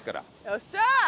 よっしゃー！